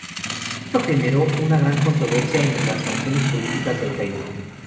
Esto generó una gran controversia entre las facciones políticas del reino.